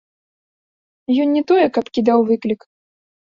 Ён не тое, каб кідаў выклік.